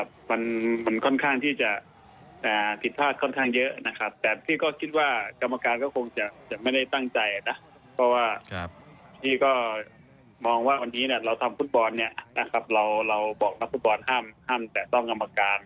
เราทำฟุตบอลเนี้ยนะครับเราเราบอกว่าฟุตบอลห้ามห้ามแต่ต้องกรรมการ